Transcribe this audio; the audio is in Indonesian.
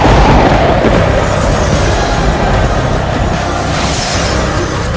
ya allah semoga kakinya tidak ada apa apa